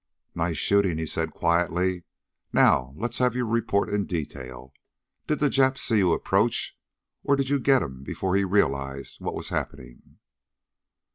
"Nice shooting," he said quietly. "Now let's have your report in detail. Did the Jap see you approach, or did you get him before he realized what was happening?"